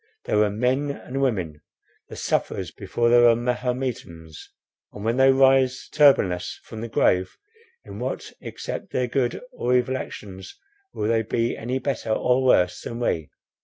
They were men and women, the sufferers, before they were Mahometans, and when they rise turbanless from the grave, in what except their good or evil actions will they be the better or worse than we?